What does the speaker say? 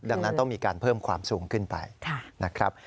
ดังนั้นต้องมีการเพิ่มความสูงขึ้นไปนะครับ